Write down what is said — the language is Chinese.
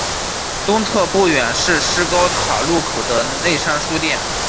东侧不远则是施高塔路口的内山书店。